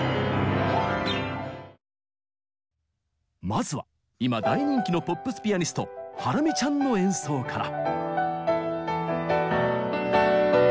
まずは今大人気のポップスピアニストハラミちゃんの演奏から。